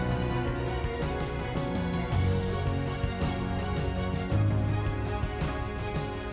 nggak lama nggak lama sebentar nggak lama nggak lama